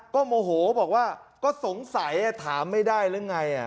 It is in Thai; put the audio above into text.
ก็โมโหบอกว่าก็สงสัยถามไม่ได้หรือไง